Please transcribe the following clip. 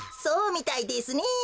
そうみたいですね。